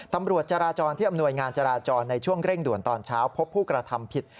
ตำรวจจราจรที่อำนวยงานจราจรในช่วงเร่งด่วนตอนเช้าพบผู้กระทำผิด